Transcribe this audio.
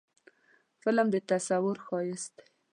فلم د تصور ښایست دی